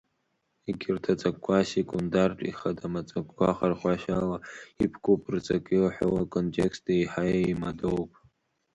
Егьырҭ аҵакқәа асекундартә ихадам аҵакқәа хархәашьала иԥкуп, рҵаки аҳәоу аконтексти еиҳа иеимадоуп.